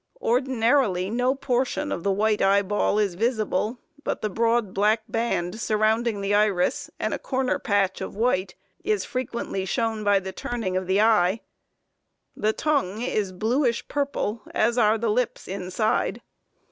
Ordinarily no portion of the white eyeball is visible, but the broad black band surrounding the iris, and a corner patch of white, is frequently shown by the turning of the eye. The tongue is bluish purple, as are the lips inside.